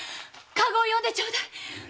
駕籠を呼んでちょうだい！